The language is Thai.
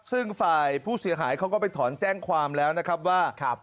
ซึ่งฝ่ายผู้เสียหายเขาก็ไปถอนแจ้งความแล้วนะครับว่า